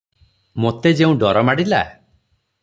ମୋତେ ଯେଉଁ ଡର ମାଡ଼ିଲା?